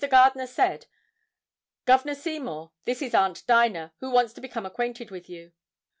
Gardner said, "Governor Seymour, this is Aunt Dinah, who wants to become acquainted with you."